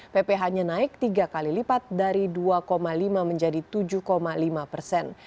pph nya naik tiga kali lipat dari dua lima menjadi tujuh lima persen